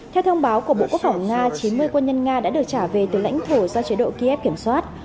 theo thông báo của bộ quốc phòng nga chín mươi quân nhân nga đã được trả về từ lãnh thổ do chế độ kiev kiểm soát